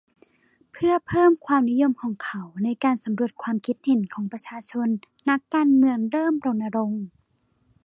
เพื่อเพิ่มความนิยมของเขาในการสำรวจความคิดเห็นของประชาชนนักการเมืองเริ่มรณรงค์